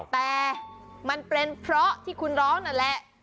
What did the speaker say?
แต่มันเป็นเพราะที่คุณร้องนั่นแหละ